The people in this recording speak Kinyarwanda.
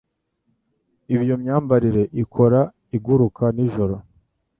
Iyo myambarire ikora iguruka-nijoro.